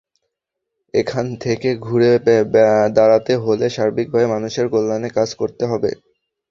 এখান থেকে ঘুরে দাঁড়াতে হলে সার্বিকভাবে মানুষের কল্যাণে কাজ করতে হবে।